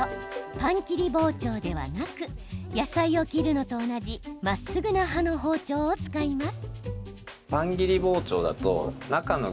パン切り包丁ではなく野菜を切るのと同じまっすぐな刃の包丁を使います。